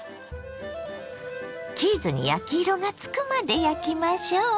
チーズに焼き色がつくまで焼きましょ。